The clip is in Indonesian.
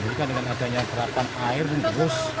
ini kan dengan adanya gerakan air dan bus